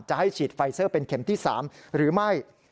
จะให้ฉีดไฟเซอร์เป็นเข็มที่๓หรือไม่